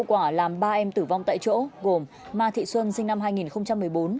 hậu quả làm ba em tử vong tại chỗ gồm ma thị xuân sinh năm hai nghìn một mươi bốn